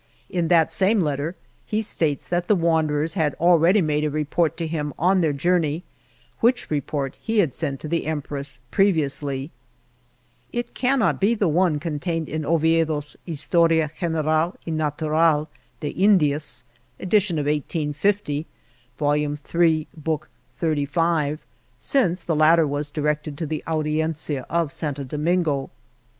In that same letter he states that the wanderers had already made a report to him on their jour ney, which report he had sent to the Empress previously. It cannot be the one contained in Oviedo's Historia General y Natural de Jndias (Edition of 1850, Vol. Ill, Lib. XXXV), since the latter was directed to the Audiencia of Santo Domingo.